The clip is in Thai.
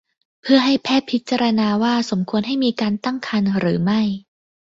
เพื่อให้แพทย์พิจารณาว่าสมควรให้มีการตั้งครรภ์หรือไม่